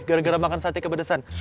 gara gara makan sate kepedesan